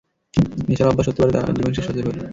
নেশার অভ্যাস হতে পারে তার, আর জীবন শেষ হয়ে যাবে ওর।